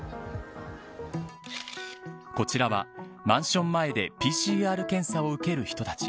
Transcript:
こちらは、マンション前でＰＣＲ検査を受ける人たち。